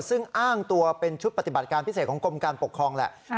ซึ่งอ้างตัวเป็นชุดปฏิบัติการพิเศษของกรมการปกครองแหละ